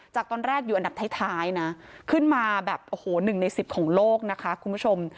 จากตอนแรกอยู่อันดับท้ายนะขึ้นมาแบบโอ้โห๑ใน๑๐ของโลกนะคะคุณผู้ชม